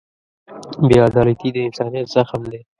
بېعدالتي د انسانیت زخم دی.